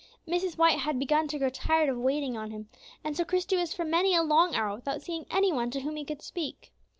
Mrs. White had begun to grow tired of waiting on him, and so Christie was for many a long hour without seeing any one to whom he could speak.